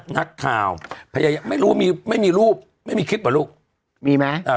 นักข่าวพยายามไม่รู้ว่ามีไม่มีรูปไม่มีคลิปเหรอลูกมีไหมอ่า